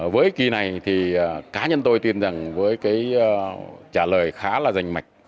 với kỳ này thì cá nhân tôi tin rằng với cái trả lời khá là rành mạch